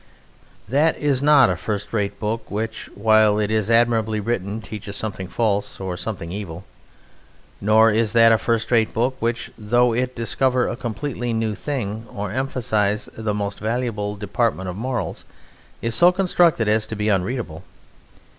That is not a first rate book which, while it is admirably written, teaches something false or something evil; nor is that a first rate book which, though it discover a completely new thing, or emphasize the most valuable department of morals, is so constructed as to be unreadable.